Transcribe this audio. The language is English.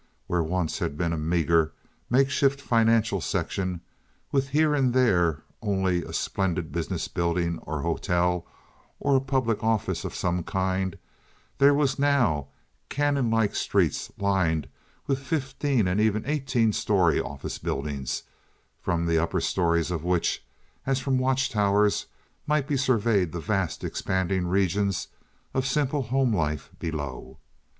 Where once had been a meager, makeshift financial section, with here and there only a splendid business building or hotel or a public office of some kind, there were now canon like streets lined with fifteen and even eighteen story office buildings, from the upper stories of which, as from watch towers, might be surveyed the vast expanding regions of simple home life below.